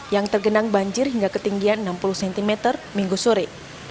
yang tergenang banjir hingga ketinggian enam puluh cm minggu sore